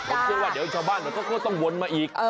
ผมเชื่อว่าเชาบ้านก็ต้องวนมาอีก